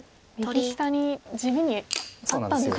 右下に地味にあったんですね。